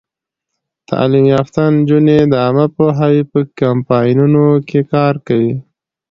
تعلیم یافته نجونې د عامه پوهاوي په کمپاینونو کې کار کوي.